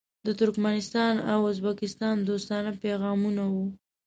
د ترکمنستان او ازبکستان دوستانه پیغامونه وو.